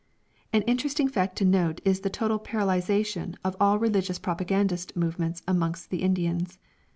An interesting fact to note is the total paralysation of all religious propagandist movements amongst the Indians.